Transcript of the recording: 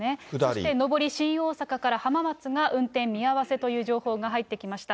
そして上りに新大阪から浜松が、運転見合わせという情報が入ってきました。